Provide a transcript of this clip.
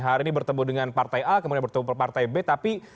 hari ini bertemu dengan partai a kemudian bertemu partai b tapi